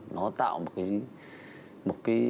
nó tạo một cái